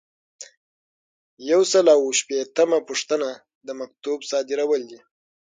یو سل او شپیتمه پوښتنه د مکتوب صادرول دي.